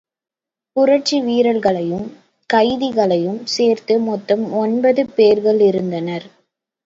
புரட்சி வீரர்களையும் கைதியையும் சேர்த்து மொத்தம் ஒன்பது பேர்களிருந்தனர்.